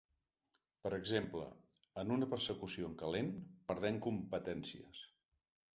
Per exemple, en una persecució en calent, perdem competències.